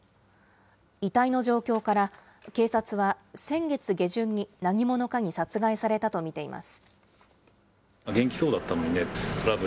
遺体の状況から、警察は先月下旬に何者かに殺害されたと見ています。